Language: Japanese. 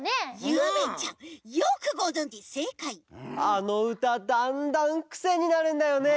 あのうただんだんくせになるんだよね。